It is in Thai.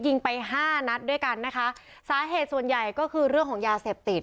ยิงไปห้านัดด้วยกันนะคะสาเหตุส่วนใหญ่ก็คือเรื่องของยาเสพติด